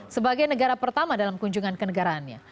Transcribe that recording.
sebagai negara pertama dalam kunjungan ke negaraannya